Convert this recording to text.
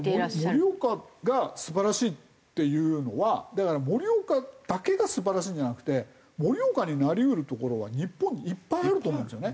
盛岡が素晴らしいっていうのはだから盛岡だけが素晴らしいんじゃなくて盛岡になり得る所は日本にいっぱいあると思うんですよね。